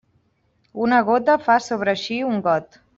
Una gota fa sobreeixir un got.